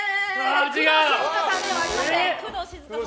工藤静香さんではありません。